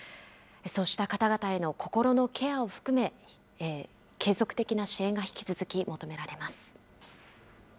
そうした方々への心のケアを含め、継続的な支援が引き続き求められます。